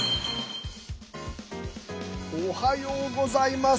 おはようございます。